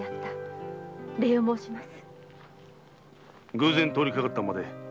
偶然通りかかったまで。